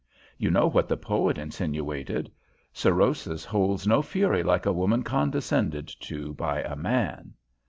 You know what the poet insinuated. Sorosis holds no fury like a woman condescended to by a man."